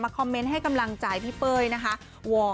คอมเมนต์ให้กำลังใจพี่เป้ยนะคะ